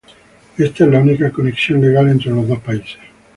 Esta es la única conexión legal entre los dos países.